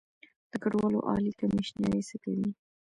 د کډوالو عالي کمیشنري څه کوي؟